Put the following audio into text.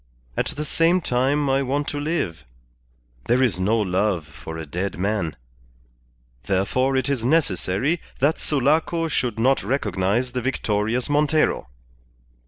At the same time I want to live. There is no love for a dead man. Therefore it is necessary that Sulaco should not recognize the victorious Montero."